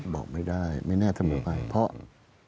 บอกไม่ได้ไม่แน่ทำอะไรไปเพราะ